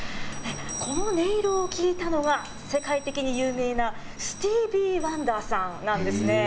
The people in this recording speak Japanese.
この音色を聞いたのが、世界的に有名なスティービー・ワンダーさんなんですね。